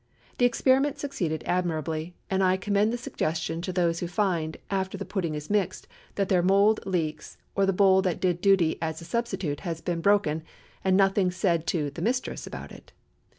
The experiment succeeded admirably, and I commend the suggestion to those who find, after the pudding is mixed, that their mould leaks, or the bowl that did duty as a substitute has been broken, and nothing said to "the mistress" about it.